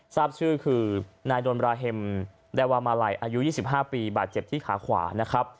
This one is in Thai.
ทราบชื่อคือนายโดนบราเฮมแดวามาลัยอายุ๒๕ปีบาดเจ็บที่ขาขวานะครับ